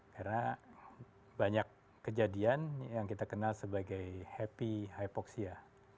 karena banyak kejadian yang kita kenal sebagai happy hypoxia